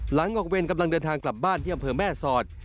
หลังออกเวรกำลังเดินทางกลับบ้านที่อำเภอแม่สอด